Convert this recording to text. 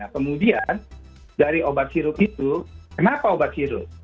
kemudian dari obat sirup itu kenapa obat sirup